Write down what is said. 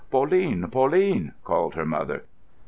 "Pauline—Pauline!" called her mother.